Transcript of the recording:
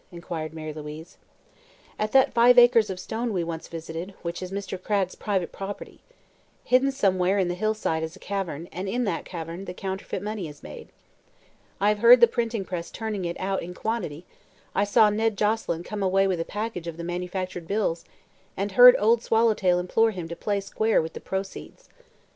inquired Mary Louise. "At that five acres of stones we once visited, which is Mr. Cragg's private property. Hidden somewhere in the hillside is a cavern, and in that cavern the counterfeit money is made. I have heard the printing press turning it out in quantity; I saw Ned Joselyn come away with a package of the manufactured bills and heard Old Swallowtail implore him to 'play square' with the proceeds.